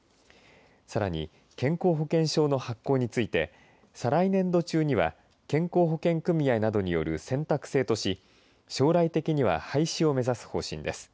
さらに健康保険証の発行について再来年度中には健康保険組合などによる選択制とし将来的には廃止を目指す方針です。